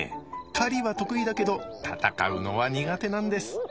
狩りは得意だけど戦うのは苦手なんです。